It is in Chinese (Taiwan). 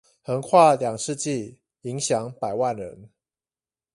橫跨兩世紀，影響百萬人